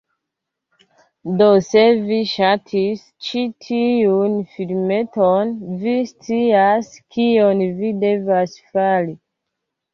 Do, se vi ŝatis ĉi tiun filmeton, vi scias kion vi devas fari.